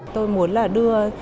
tôi muốn là đưa